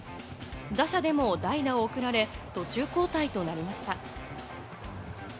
打者でも代打を送られ、途中交代となりました。